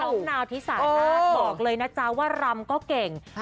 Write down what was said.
นาวที่สานาศบอกเลยนะจ๊ะว่ารำก็เก่ง